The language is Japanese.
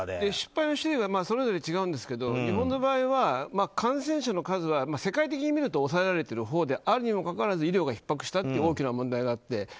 失敗の種類はそれぞれ違うんだけど日本の場合は感染者の数は世界的に見ると抑えられてるほうであるにもかかわらず医療がひっ迫した大きな問題があって。